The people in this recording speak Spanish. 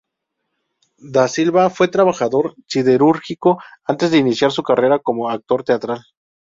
Da Silva fue trabajador siderúrgico antes de iniciar su carrera como actor teatral.